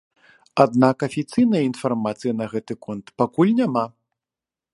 Аднак афіцыйнай інфармацыі на гэты конт пакуль няма.